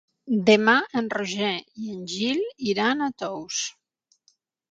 Demà en Roger i en Gil iran a Tous.